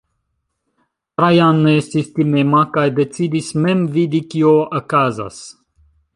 Trajan ne estis timema kaj decidis mem vidi kio okazas.